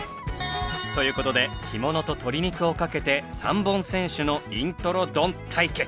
という事で干物と鶏肉をかけて３本先取のイントロドン対決。